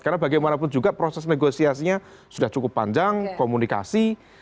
karena bagaimanapun juga proses negosiasinya sudah cukup panjang komunikasi